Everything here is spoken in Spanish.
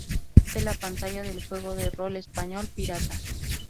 Curiosamente la pantalla del juego de rol español "¡Piratas!